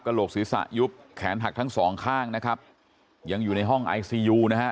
โหลกศีรษะยุบแขนหักทั้งสองข้างนะครับยังอยู่ในห้องไอซียูนะฮะ